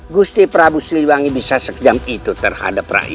gusti prabu siliwangi bisa sekejam itu terhadap rakyat